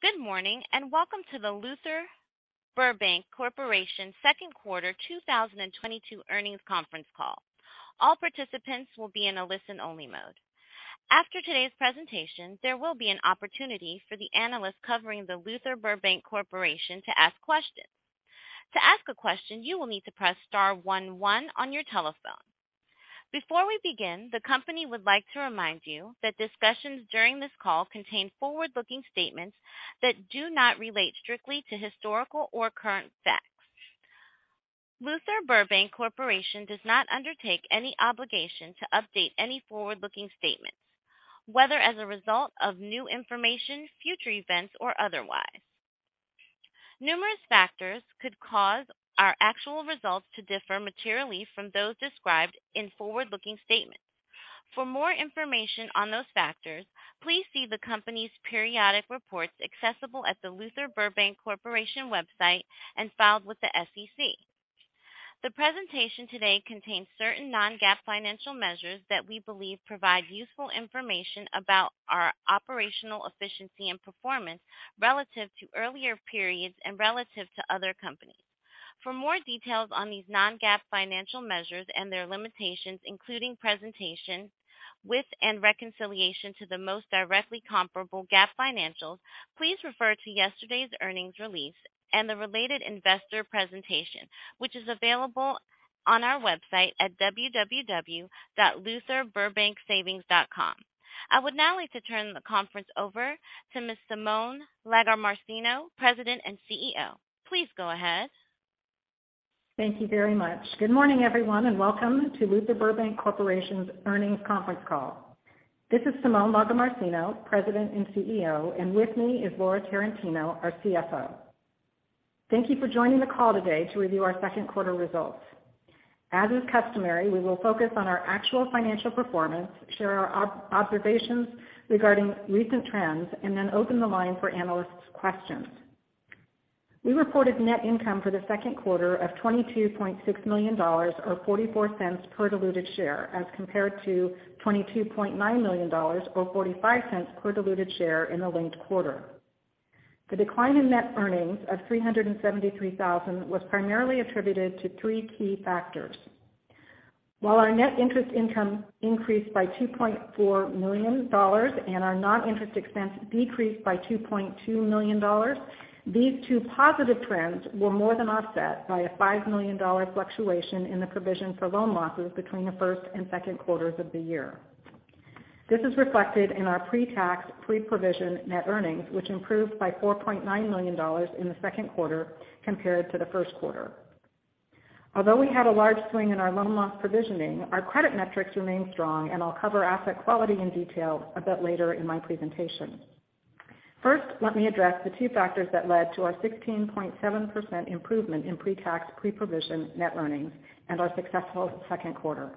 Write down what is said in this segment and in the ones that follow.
Good morning, and welcome to the Luther Burbank Corporation second quarter 2022 earnings conference call. All participants will be in a listen only mode. After today's presentation, there will be an opportunity for the analysts covering the Luther Burbank Corporation to ask questions. To ask a question, you will need to press star one one on your telephone. Before we begin, the company would like to remind you that discussions during this call contain forward-looking statements that do not relate strictly to historical or current facts. Luther Burbank Corporation does not undertake any obligation to update any forward-looking statements, whether as a result of new information, future events, or otherwise. Numerous factors could cause our actual results to differ materially from those described in forward-looking statements. For more information on those factors, please see the company's periodic reports accessible at the Luther Burbank Corporation website and filed with the SEC. The presentation today contains certain non-GAAP financial measures that we believe provide useful information about our operational efficiency and performance relative to earlier periods and relative to other companies. For more details on these non-GAAP financial measures and their limitations, including presentation with and reconciliation to the most directly comparable GAAP financials, please refer to yesterday's earnings release and the related investor presentation, which is available on our website at www.lutherburbanksavings.com. I would now like to turn the conference over to Ms. Simone Lagomarsino, President and CEO. Please go ahead. Thank you very much. Good morning, everyone, and welcome to Luther Burbank Corporation's earnings conference call. This is Simone Lagomarsino, President and CEO, and with me is Laura Tarantino, our CFO. Thank you for joining the call today to review our second quarter results. As is customary, we will focus on our actual financial performance, share our observations regarding recent trends, and then open the line for analysts' questions. We reported net income for the second quarter of $22.6 million or $0.44 per diluted share, as compared to $22.9 million or $0.45 per diluted share in the linked quarter. The decline in net earnings of $373,000 was primarily attributed to three key factors. While our net interest income increased by $2.4 million and our non-interest expense decreased by $2.2 million, these two positive trends were more than offset by a $5 million fluctuation in the provision for loan losses between the first and second quarters of the year. This is reflected in our pre-tax, pre-provision net earnings, which improved by $4.9 million in the second quarter compared to the first quarter. Although we had a large swing in our loan loss provisioning, our credit metrics remain strong, and I'll cover asset quality in detail a bit later in my presentation. First, let me address the two factors that led to our 16.7% improvement in pre-tax, pre-provision net earnings and our successful second quarter.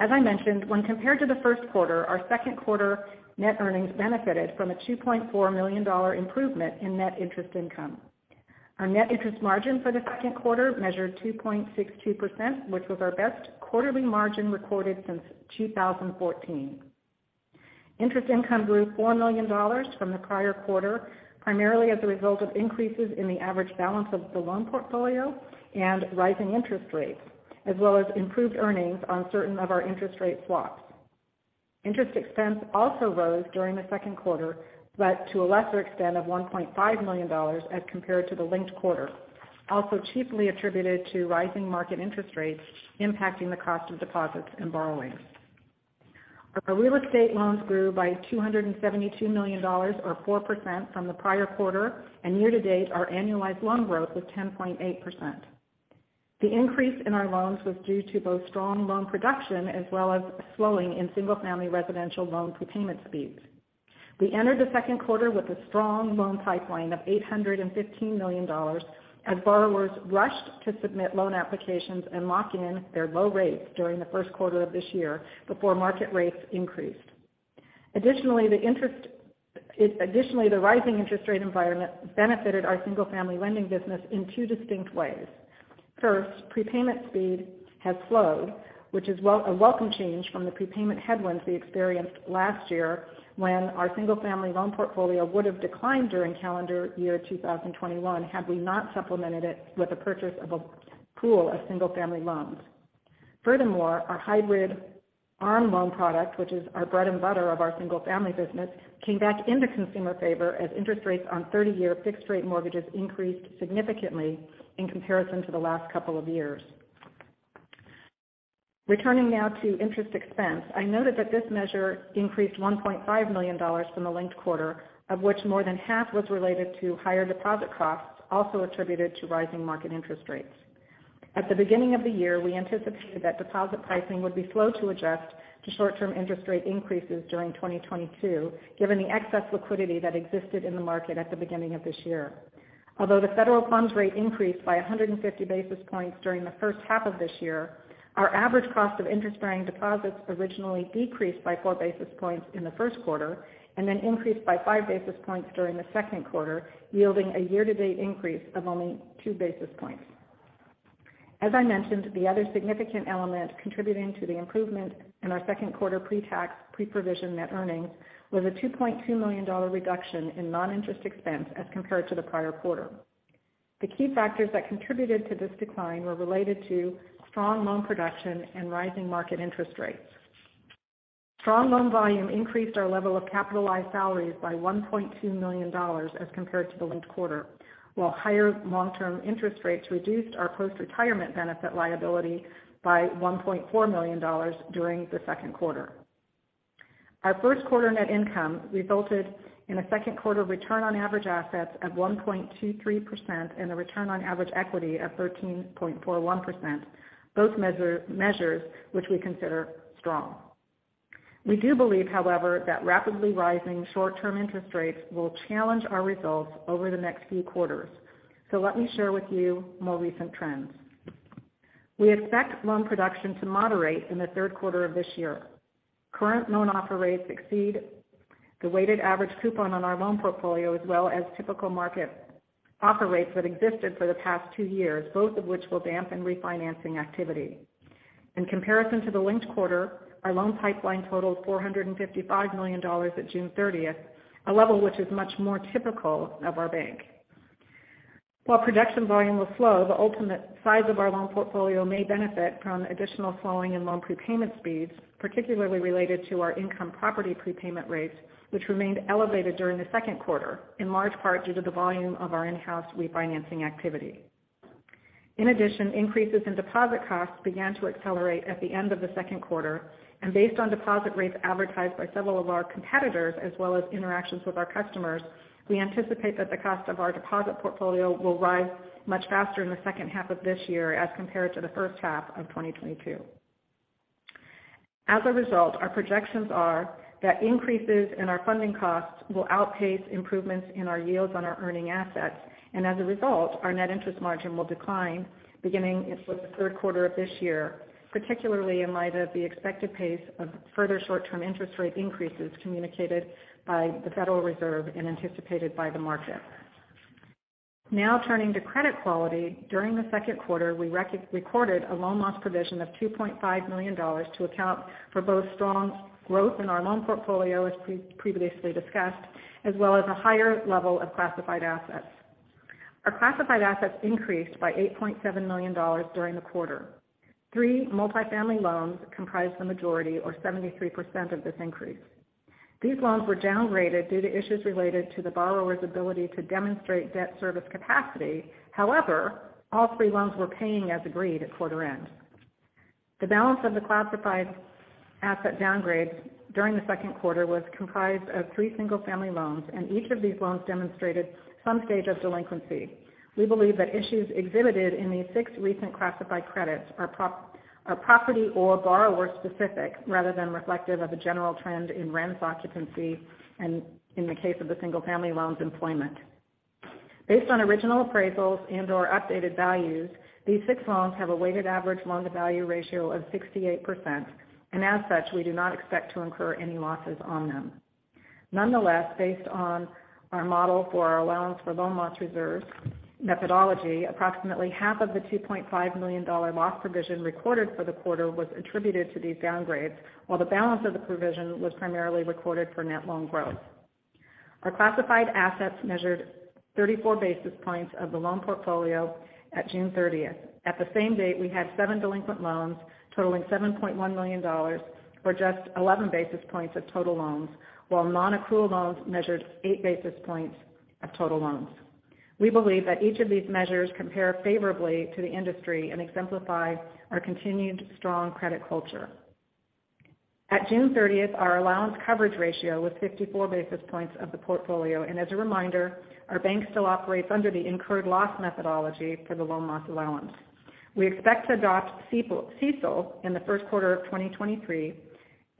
As I mentioned, when compared to the first quarter, our second quarter net earnings benefited from a $2.4 million improvement in net interest income. Our net interest margin for the second quarter measured 2.62%, which was our best quarterly margin recorded since 2014. Interest income grew $4 million from the prior quarter, primarily as a result of increases in the average balance of the loan portfolio and rising interest rates, as well as improved earnings on certain of our interest rate swaps. Interest expense also rose during the second quarter, but to a lesser extent of $1.5 million as compared to the linked quarter, also chiefly attributed to rising market interest rates impacting the cost of deposits and borrowings. Our real estate loans grew by $272 million or 4% from the prior quarter, and year to date our annualized loan growth was 10.8%. The increase in our loans was due to both strong loan production as well as slowing in single-family residential loan prepayment speeds. We entered the second quarter with a strong loan pipeline of $815 million as borrowers rushed to submit loan applications and lock in their low rates during the first quarter of this year before market rates increased. Additionally, the rising interest rate environment benefited our single family lending business in 2 distinct ways. First, prepayment speed has slowed, which is welcome change from the prepayment headwinds we experienced last year when our single family loan portfolio would have declined during calendar year 2021 had we not supplemented it with the purchase of a pool of single family loans. Furthermore, our Hybrid ARM loan product, which is our bread and butter of our single family business, came back into consumer favor as interest rates on 30-year fixed-rate mortgages increased significantly in comparison to the last couple of years. Returning now to interest expense, I noted that this measure increased $1.5 million from the linked quarter, of which more than half was related to higher deposit costs also attributed to rising market interest rates. At the beginning of the year, we anticipated that deposit pricing would be slow to adjust to short-term interest rate increases during 2022, given the excess liquidity that existed in the market at the beginning of this year. Although the federal funds rate increased by 150 basis points during the first half of this year, our average cost of interest-bearing deposits originally decreased by 4 basis points in the first quarter and then increased by 5 basis points during the second quarter, yielding a year-to-date increase of only 2 basis points. As I mentioned, the other significant element contributing to the improvement in our second quarter pre-tax, pre-provision net earnings was a $2.2 million reduction in non-interest expense as compared to the prior quarter. The key factors that contributed to this decline were related to strong loan production and rising market interest rates. Strong loan volume increased our level of capitalized salaries by $1.2 million as compared to the linked quarter, while higher long-term interest rates reduced our post-retirement benefit liability by $1.4 million during the second quarter. Our first quarter net income resulted in a second quarter return on average assets of 1.23% and a return on average equity of 13.41%, both measures which we consider strong. We do believe, however, that rapidly rising short-term interest rates will challenge our results over the next few quarters. Let me share with you more recent trends. We expect loan production to moderate in the third quarter of this year. Current loan offer rates exceed the weighted average coupon on our loan portfolio as well as typical market offer rates that existed for the past two years, both of which will dampen refinancing activity. In comparison to the linked quarter, our loan pipeline totaled $455 million at June 30th, a level which is much more typical of our bank. While production volume will slow, the ultimate size of our loan portfolio may benefit from additional slowing in loan prepayment speeds, particularly related to our income property prepayment rates, which remained elevated during the second quarter, in large part due to the volume of our in-house refinancing activity. In addition, increases in deposit costs began to accelerate at the end of the second quarter. Based on deposit rates advertised by several of our competitors as well as interactions with our customers, we anticipate that the cost of our deposit portfolio will rise much faster in the second half of this year as compared to the first half of 2022. As a result, our projections are that increases in our funding costs will outpace improvements in our yields on our earning assets. As a result, our Net Interest Margin will decline beginning in, for the third quarter of this year, particularly in light of the expected pace of further short-term interest rate increases communicated by the Federal Reserve and anticipated by the market. Now turning to credit quality. During the second quarter, we recorded a loan loss provision of $2.5 million to account for both strong growth in our loan portfolio, as previously discussed, as well as a higher level of classified assets. Our classified assets increased by $8.7 million during the quarter. Three multifamily loans comprised the majority or 73% of this increase. These loans were downgraded due to issues related to the borrower's ability to demonstrate debt service capacity. However, all three loans were paying as agreed at quarter end. The balance of the classified asset downgrade during the second quarter was comprised of three single family loans, and each of these loans demonstrated some stage of delinquency. We believe that issues exhibited in these six recent classified credits are property or borrower specific rather than reflective of a general trend in rents, occupancy and, in the case of the single family loans, employment. Based on original appraisals and/or updated values, these six loans have a weighted average loan-to-value ratio of 68%, and as such, we do not expect to incur any losses on them. Nonetheless, based on our model for our allowance for loan loss reserves methodology, approximately half of the $2.5 million loss provision recorded for the quarter was attributed to these downgrades, while the balance of the provision was primarily recorded for net loan growth. Our classified assets measured 34 basis points of the loan portfolio at June 30th. At the same date, we had seven delinquent loans totaling $7.1 million, or just 11 basis points of total loans, while nonaccrual loans measured 8 basis points of total loans. We believe that each of these measures compare favorably to the industry and exemplify our continued strong credit culture. At June 30th, our allowance coverage ratio was 54 basis points of the portfolio. As a reminder, our bank still operates under the incurred loss methodology for the loan loss allowance. We expect to adopt CECL in the first quarter of 2023.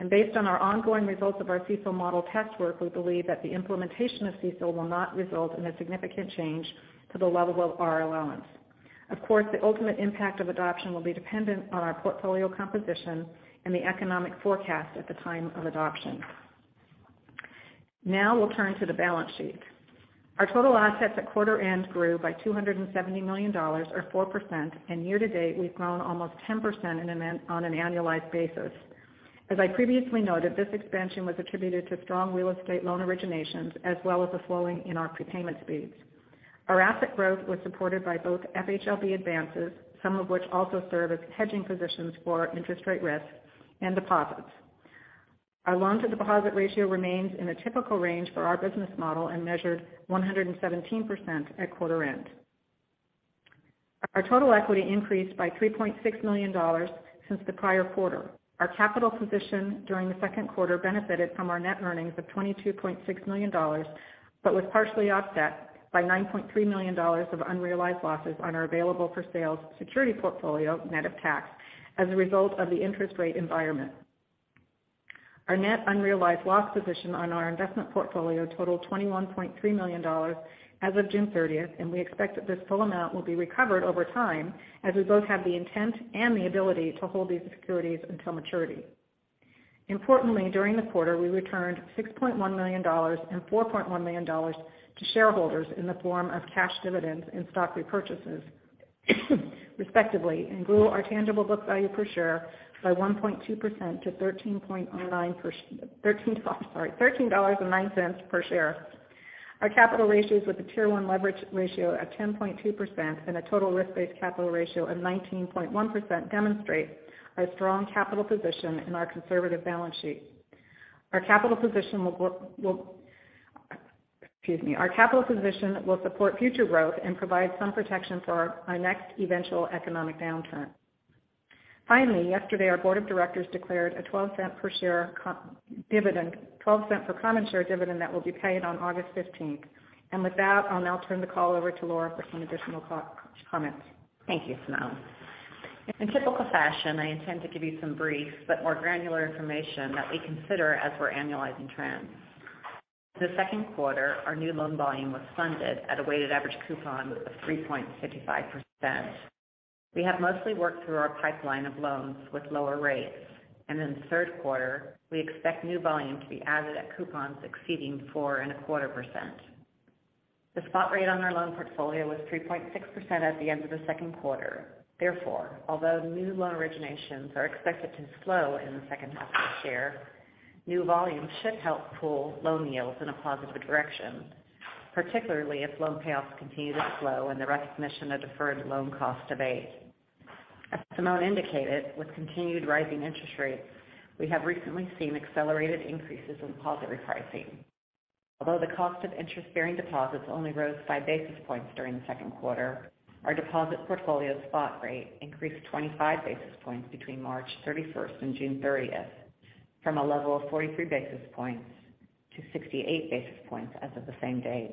Based on our ongoing results of our CECL model test work, we believe that the implementation of CECL will not result in a significant change to the level of our allowance. Of course, the ultimate impact of adoption will be dependent on our portfolio composition and the economic forecast at the time of adoption. Now we'll turn to the balance sheet. Our total assets at quarter end grew by $270 million or 4%. Year to date, we've grown almost 10% on an annualized basis. As I previously noted, this expansion was attributed to strong real estate loan originations as well as a slowing in our prepayment speeds. Our asset growth was supported by both FHLB advances, some of which also serve as hedging positions for our interest rate risks and deposits. Our loan to deposit ratio remains in a typical range for our business model and measured 117% at quarter end. Our total equity increased by $3.6 million since the prior quarter. Our capital position during the second quarter benefited from our net earnings of $22.6 million, but was partially offset by $9.3 million of unrealized losses on our available for sale security portfolio net of tax as a result of the interest rate environment. Our net unrealized loss position on our investment portfolio totaled $21.3 million as of June 30th, and we expect that this full amount will be recovered over time as we both have the intent and the ability to hold these securities until maturity. Importantly, during the quarter, we returned $6.1 million and $4.1 million to shareholders in the form of cash dividends and stock repurchases, respectively, and grew our tangible book value per share by 1.2% to $13.09 per share. Our capital ratios with the Tier 1 leverage ratio of 10.2% and a total risk-based capital ratio of 19.1% demonstrate our strong capital position in our conservative balance sheet. Our capital position will support future growth and provide some protection for our next eventual economic downturn. Finally, yesterday, our board of directors declared a $0.12 per common share dividend that will be paid on August fifteenth. With that, I'll now turn the call over to Laura for some additional comments. Thank you, Simone. In typical fashion, I intend to give you some brief but more granular information that we consider as we're annualizing trends. The second quarter, our new loan volume was funded at a weighted average coupon of 3.55%. We have mostly worked through our pipeline of loans with lower rates, and in the third quarter, we expect new volume to be added at coupons exceeding 4.25%. The spot rate on our loan portfolio was 3.6% at the end of the second quarter. Therefore, although new loan originations are expected to slow in the second half of this year, new volume should help pull loan yields in a positive direction, particularly if loan payoffs continue to slow and the recognition of deferred loan costs abate. As Simone indicated, with continued rising interest rates, we have recently seen accelerated increases in deposit repricing. Although the cost of interest-bearing deposits only rose 5 basis points during the second quarter, our deposit portfolio spot rate increased 25 basis points between March 31st and June 30th, from a level of 43 basis points to 68 basis points as of the same days.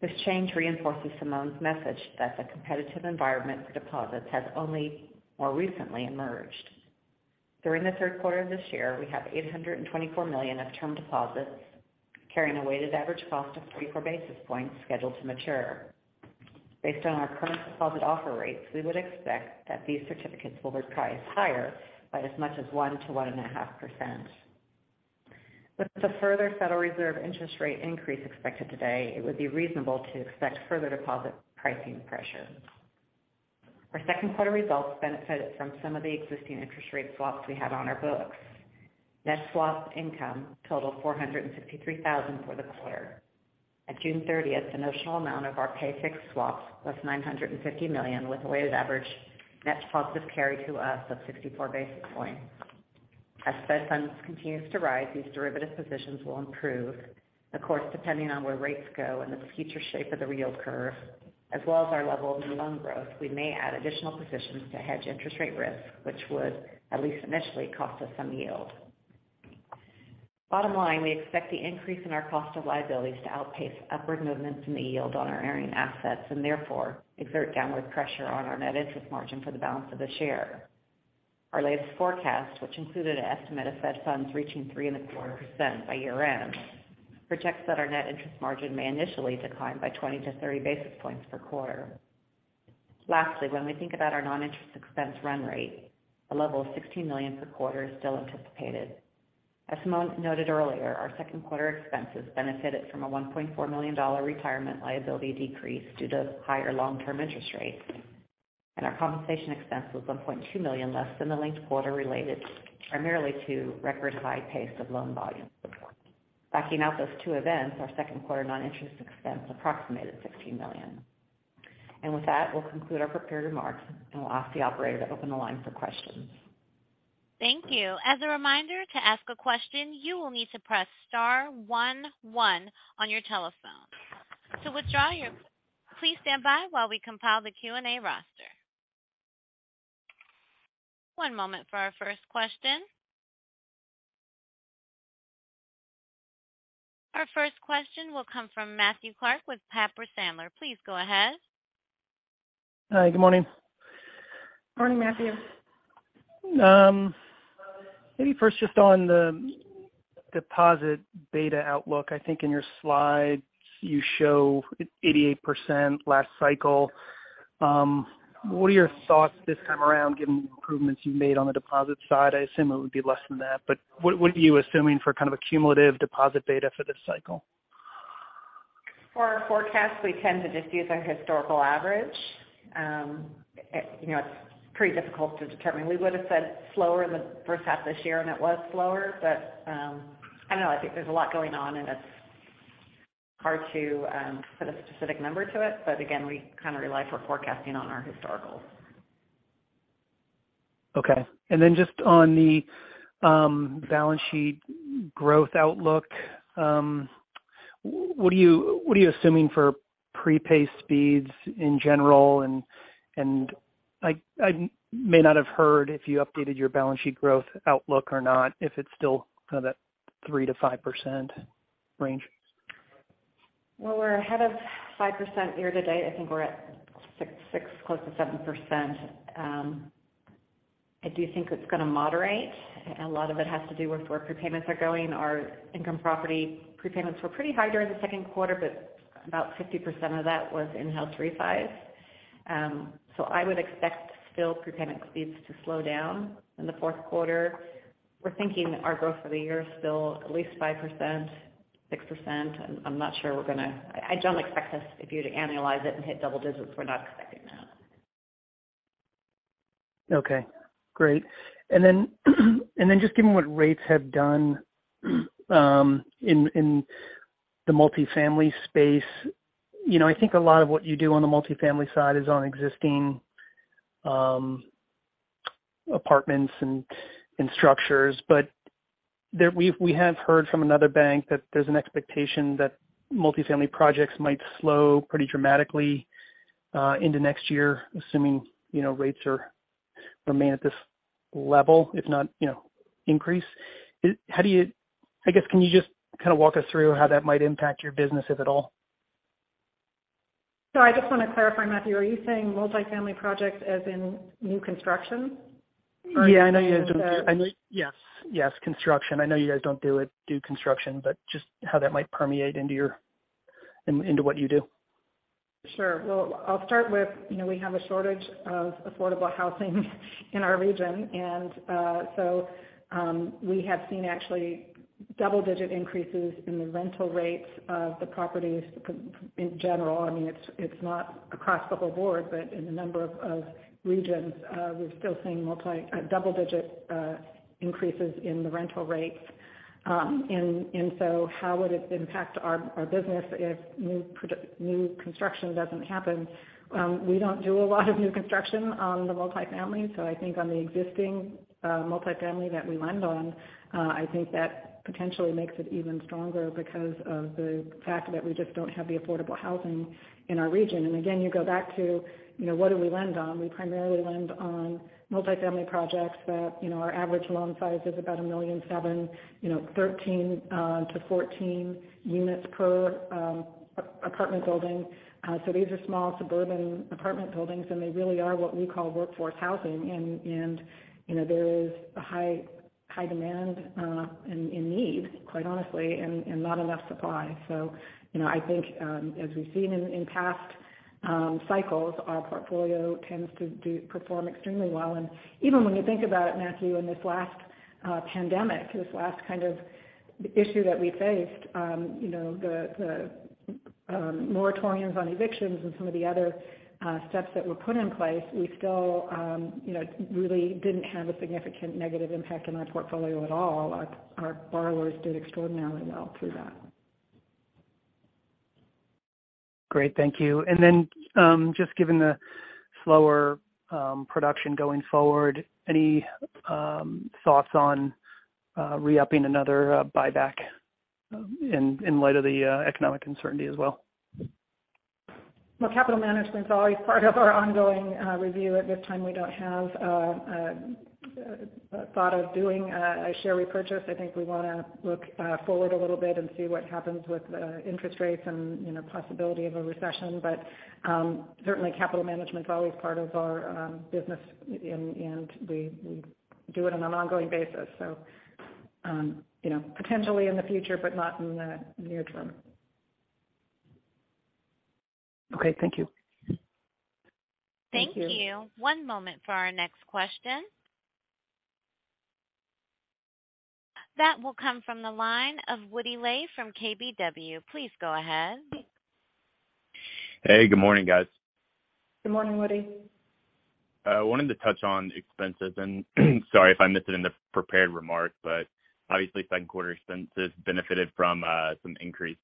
This change reinforces Simone's message that the competitive environment for deposits has only more recently emerged. During the third quarter of this year, we have $824 million of term deposits carrying a weighted average cost of 44 basis points scheduled to mature. Based on our current deposit offer rates, we would expect that these certificates will reprice higher by as much as 1%-1.5%. With the further Federal Reserve interest rate increase expected today, it would be reasonable to expect further deposit pricing pressure. Our second quarter results benefited from some of the existing interest rate swaps we had on our books. Net swap income totaled $463,000 for the quarter. At June 30th, the notional amount of our pay-fixed swaps was $950 million, with a weighted average net positive carry to us of 64 basis points. As Fed funds continues to rise, these derivative positions will improve. Of course, depending on where rates go and the future shape of the yield curve as well as our level of new loan growth, we may add additional positions to hedge interest rate risk, which would at least initially cost us some yield. Bottom line, we expect the increase in our cost of liabilities to outpace upward movements in the yield on our earning assets and therefore exert downward pressure on our net interest margin for the balance of this year. Our latest forecast, which included an estimate of Fed funds reaching 3.25% by year-end, projects that our net interest margin may initially decline by 20-30 basis points per quarter. Lastly, when we think about our non-interest expense run rate, a level of $16 million per quarter is still anticipated. As Simone noted earlier, our second quarter expenses benefited from a $1.4 million retirement liability decrease due to higher long-term interest rates, and our compensation expense was $1.2 million less than the linked quarter related primarily to record high pace of loan volume. Backing out those two events, our second quarter non-interest expense approximated $16 million. With that, we'll conclude our prepared remarks, and we'll ask the operator to open the line for questions. Thank you. As a reminder, to ask a question, you will need to press star one one on your telephone. Please stand by while we compile the Q&A roster. One moment for our first question. Our first question will come from Matthew Clark with Piper Sandler. Please go ahead. Hi, good morning. Morning, Matthew. Maybe first just on the deposit beta outlook. I think in your slide you show 88% last cycle. What are your thoughts this time around, given the improvements you made on the deposit side? I assume it would be less than that, but what are you assuming for kind of a cumulative deposit beta for this cycle? For our forecast, we tend to just use our historical average. You know, it's pretty difficult to determine. We would've said slower in the first half this year, and it was slower. I know I think there's a lot going on and it's hard to put a specific number to it. Again, we kind of rely for forecasting on our historicals. Okay. Then just on the balance sheet growth outlook, what are you assuming for prepay speeds in general? I may not have heard if you updated your balance sheet growth outlook or not, if it's still kind of that 3%-5% range. Well, we're ahead of 5% year to date. I think we're at 6%, close to 7%. I do think it's gonna moderate. A lot of it has to do with where prepayments are going. Our income property prepayments were pretty high during the second quarter, but about 50% of that was in-house refis. I would expect still prepayment speeds to slow down in the fourth quarter. We're thinking our growth for the year is still at least 5%, 6%. I'm not sure we're gonna. I don't expect us, if you were to annualize it, and hit double digits. We're not expecting that. Okay, great. Just given what rates have done, in the multifamily space, you know, I think a lot of what you do on the multifamily side is on existing apartments and structures. We have heard from another bank that there's an expectation that multifamily projects might slow pretty dramatically into next year, assuming, you know, rates remain at this level, if not, you know, increase. I guess, can you just kind of walk us through how that might impact your business, if at all? I just wanna clarify, Matthew, are you saying multifamily projects as in new construction? Or are you saying the. Yes, yes, construction. I know you guys don't do construction, but just how that might permeate into what you do. Sure. Well, I'll start with, you know, we have a shortage of affordable housing in our region. We have seen actually double-digit increases in the rental rates of the properties in general. I mean, it's not across the whole board, but in a number of regions, we're still seeing double digit increases in the rental rates. How would it impact our business if new construction doesn't happen? We don't do a lot of new construction on the multifamily, so I think on the existing multifamily that we lend on, I think that potentially makes it even stronger because of the fact that we just don't have the affordable housing in our region. Again, you go back to, you know, what do we lend on? We primarily lend on multifamily projects that, you know, our average loan size is about $1.7 million, you know, 13-14 units per apartment building. These are small suburban apartment buildings, and they really are what we call workforce housing. You know, there is a high demand and need, quite honestly, and not enough supply. You know, I think, as we've seen in past cycles, our portfolio tends to perform extremely well. Even when you think about it, Matthew, in this last pandemic, this last kind of issue that we faced, you know, the moratoriums on evictions and some of the other steps that were put in place, we still, you know, really didn't have a significant negative impact in our portfolio at all. Our borrowers did extraordinarily well through that. Great. Thank you. Just given the slower production going forward, any thoughts on re-upping another buyback, in light of the economic uncertainty as well? Well, capital management's always part of our ongoing review. At this time, we don't have a thought of doing a share repurchase. I think we wanna look forward a little bit and see what happens with interest rates and, you know, possibility of a recession. Certainly capital management's always part of our business and we do it on an ongoing basis. You know, potentially in the future, but not in the near term. Okay. Thank you. Thank you. Thank you. One moment for our next question. That will come from the line of Woody Lay from KBW. Please go ahead. Hey, good morning, guys. Good morning, Woody. I wanted to touch on expenses, and sorry if I missed it in the prepared remarks, but obviously second quarter expenses benefited from some increased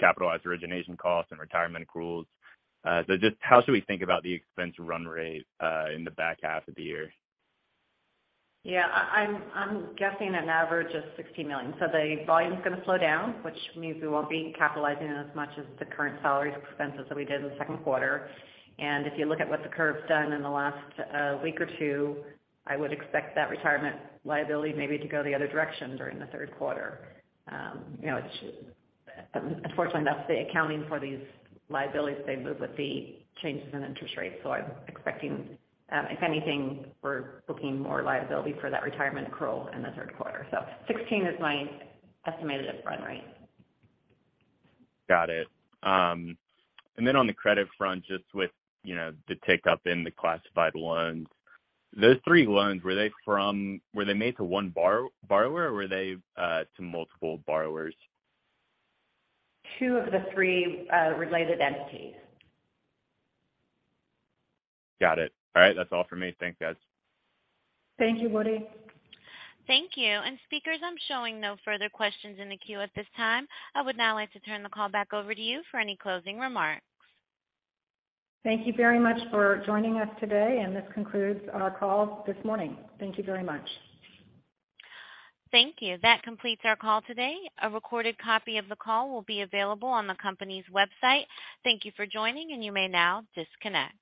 capitalized origination costs and retirement accruals. Just how should we think about the expense run rate in the back half of the year? Yeah. I'm guessing an average of $60 million. The volume's gonna slow down, which means we won't be capitalizing as much as the current salaries expenses that we did in the second quarter. If you look at what the curve's done in the last week or two, I would expect that retirement liability maybe to go the other direction during the third quarter. You know, it should. Unfortunately, that's the accounting for these liabilities. They move with the changes in interest rates. I'm expecting, if anything, we're booking more liability for that retirement accrual in the third quarter. $16 million is my estimated run rate. Got it. On the credit front, just with, you know, the tick up in the classified loans, those three loans, were they made to one borrower, or were they to multiple borrowers? Two of the three related entities. Got it. All right. That's all for me. Thanks, guys. Thank you, Woody. Thank you. Speakers, I'm showing no further questions in the queue at this time. I would now like to turn the call back over to you for any closing remarks. Thank you very much for joining us today, and this concludes our call this morning. Thank you very much. Thank you. That completes our call today. A recorded copy of the call will be available on the company's website. Thank you for joining, and you may now disconnect.